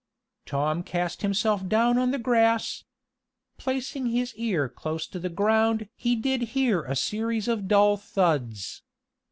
Tom cast himself down on the grass. Placing his ear close to the ground he did hear a series of dull thuds.